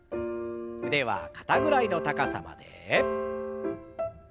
腕は肩ぐらいの高さまで。